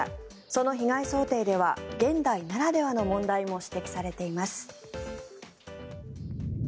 その被害想定では現代ならではの問題も指摘されています。